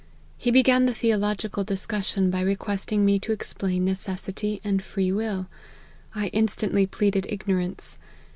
He began the theological discussion by requesting me to explain necessity and free will ; I instantly pleaded ignorance.